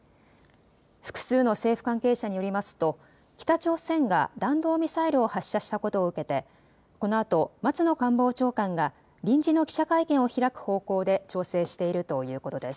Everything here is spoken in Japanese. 複数の政府関係者によりますと北朝鮮が弾道ミサイルを発射したことを受けてこのあと松野官房長官が臨時の記者会見を開く方向で調整しているということです。